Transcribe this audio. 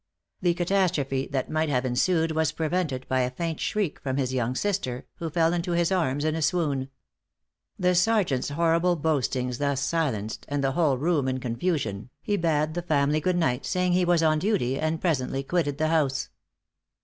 The catastrophe that might have ensued was prevented by a faint shriek from his young sister, who fell into his arms in a swoon. The sergeant's horrible boastings thus silenced, and the whole room in confusion, he bade the family good night, saying he was on duty, and presently quitted the house.